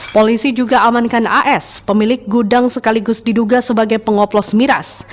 polisi juga amankan as pemilik gudang sekaligus diduga sebagai pengoplos miras